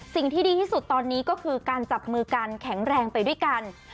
สิ่งที่ดีที่สุดตอนนี้ก็คือการจับมือกันแข็งแรงไปด้วยกัน